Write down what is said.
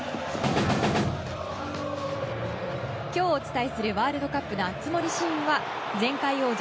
今日お伝えするワールドカップの熱盛シーンは前回王者